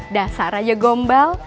dasar aja gombal